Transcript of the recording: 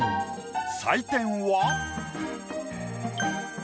採点は。